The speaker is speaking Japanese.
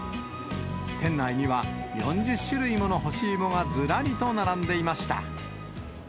店内には４０種類もの干し芋がずらりと並んでいました。